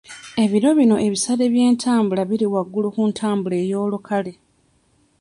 Ebiro bino ebisale by'entambula biri waggulu ku ntambula ey'olukale.